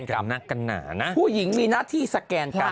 ไปกันหนาผู้หญิงมีนาทิศแกนกัน